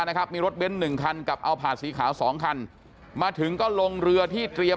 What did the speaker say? นะครับมีรถเบ้นหนึ่งคันกับเอาผาดสีขาวสองคันมาถึงก็ลงเรือที่เตรียม